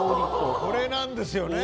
これなんですよね！